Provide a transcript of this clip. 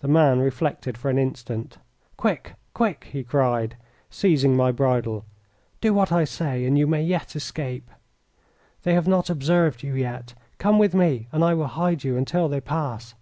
The man reflected for an instant. "Quick! quick!" he cried, seizing my bridle. "Do what I say and you may yet escape. They have not observed you yet. Come with me and I will hide you until they pass."